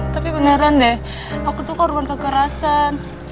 tapi beneran deh aku tuh korban kekerasan